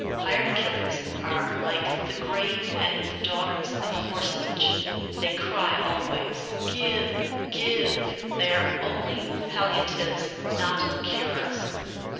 Hired killers are like the grave and the daughters of the horse leech, — they cry always, ' Give, Give.' They are only palliatives, not cures.